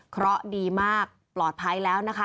เพราะดีมากปลอดภัยแล้วนะคะ